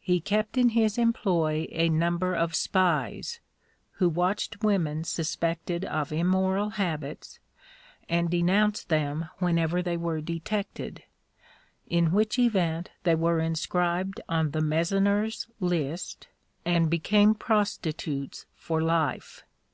He kept in his employ a number of spies, who watched women suspected of immoral habits, and denounced them whenever they were detected, in which event they were inscribed on the Mezonar's list, and became prostitutes for life.